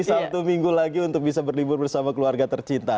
satu minggu lagi untuk bisa berlibur bersama keluarga tercinta